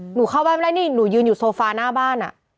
หนูเข้าบ้านไม่ได้หนูยืนอยู่โซฟาหน้าบ้านอ่ะ